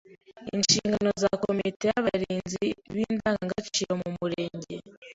Inshingano za komite y’Abarinzi b’Indangagaciro mu Murenge